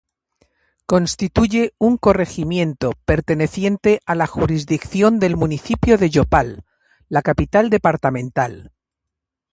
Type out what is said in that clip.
Constituye un corregimiento perteneciente a la jurisdicción del municipio de Yopal, la capital departamental.